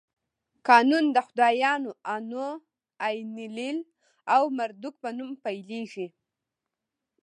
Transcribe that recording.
قانون د خدایانو آنو، اینلیل او مردوک په نوم پیلېږي.